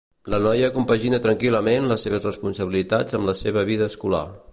La noia compagina tranquil·lament les seves responsabilitats amb la seva vida escolar.